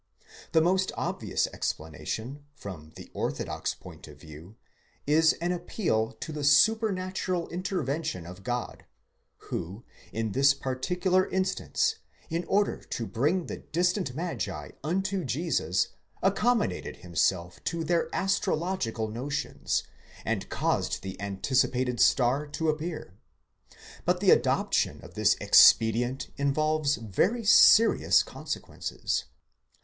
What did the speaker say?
The most obvious explanation, from the orthodox point of view, is an appeal to the supernatural intervention of God ; who, in this particular instance, in order to bring the distant magi unto Jesus, accommodated himself to their astrological notions, and caused the anticipated star to appear. But the adoption of this expedient involves very serious consequences.